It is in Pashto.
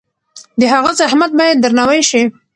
د هغه زحمت باید درناوی شي.